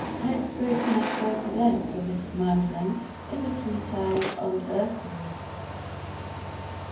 I have spoken at greater length of this Commandment in the Treatise on Usury.